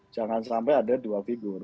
jangan sampai ada dua figur